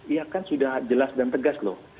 iya kan sudah jelas dan tegas loh